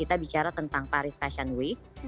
kita bicara tentang paris fashion week